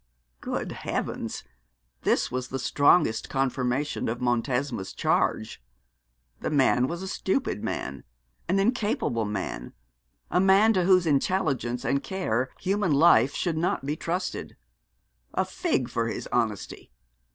Good heavens! This was the strongest confirmation of Montesma's charge. The man was a stupid man, an incapable man, a man to whose intelligence and care human life should never be trusted. A fig for his honesty!